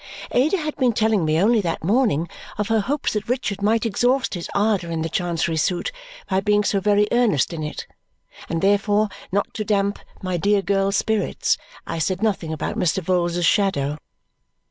Ada had been telling me only that morning of her hopes that Richard might exhaust his ardour in the Chancery suit by being so very earnest in it; and therefore, not to damp my dear girl's spirits, I said nothing about Mr. Vholes's shadow.